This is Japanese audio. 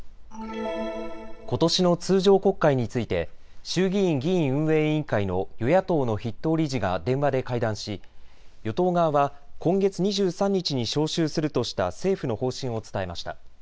ことしの通常国会について衆議院議院運営委員会の与野党の筆頭理事が電話で会談し与党側は今月２３日に召集するとした政府の方針を伝えました。